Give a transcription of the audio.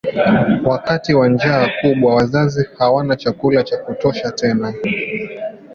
Wakati wa njaa kubwa wazazi hawana chakula cha kutosha tena.